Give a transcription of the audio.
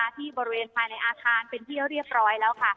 ที่บริเวณภายในอาคารเป็นที่เรียบร้อยแล้วค่ะ